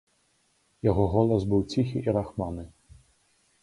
Яго голас быў ціхі і рахманы.